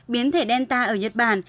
biến thể delta ở nhật bản